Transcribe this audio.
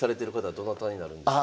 どなたになるんですか？